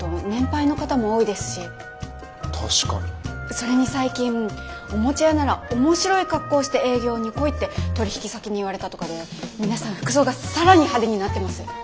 それに最近おもちゃ屋なら面白い格好して営業に来いって取引先に言われたとかで皆さん服装が更に派手になってます。